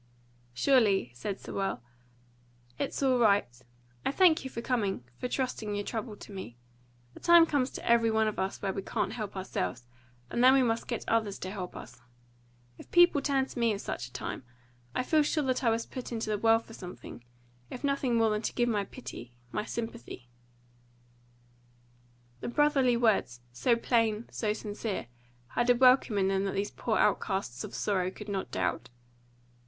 "Surely," said Sewell, "it's all right. I thank you for coming for trusting your trouble to me. A time comes to every one of us when we can't help ourselves, and then we must get others to help us. If people turn to me at such a time, I feel sure that I was put into the world for something if nothing more than to give my pity, my sympathy." The brotherly words, so plain, so sincere, had a welcome in them that these poor outcasts of sorrow could not doubt.